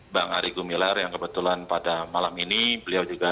bang ari gumilar yang kebetulan pada malam ini beliau juga